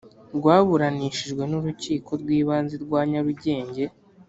rwaburanishijwe n urukiko rw ibanze rwa nyarugenge